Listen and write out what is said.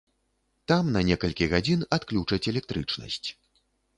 Там на некалькі гадзін адключаць электрычнасць.